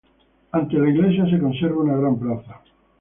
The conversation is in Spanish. Ante la iglesia, se conserva una gran plaza.